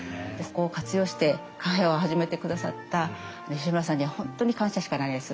ここを活用してカフェを始めてくださった吉村さんには本当に感謝しかないです。